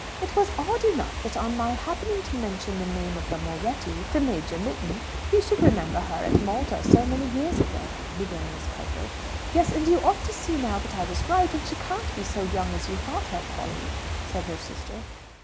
"It was odd enough that on my happening to mention the name of the Moretti to Major Mitton he should remember her at Malta so many years ago," began Miss Piper. "Yes; and you see now that I was right, and she can't be so young as you thought her, Polly," said her sister.